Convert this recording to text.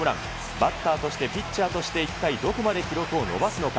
バッターとしてピッチャーとして一体どこまで記録を伸ばすのか。